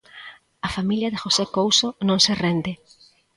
A familia de José Couso non se rende.